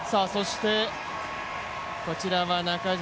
こちらは中島